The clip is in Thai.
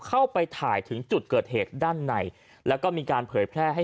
เข้าไปถ่ายถึงจุดเกิดเหตุด้านในแล้วก็มีการเผยแพร่ให้